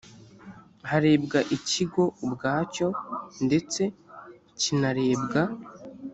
harebwa ikigo ubwacyo ndetse kinarebwa